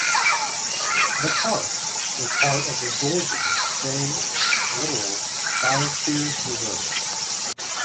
The park is part of the Georgian Bay Littoral Biosphere Reserve.